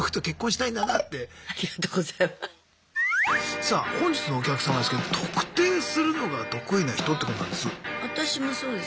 さあ本日のお客様ですけど「特定するのが得意な人」ってことなんです。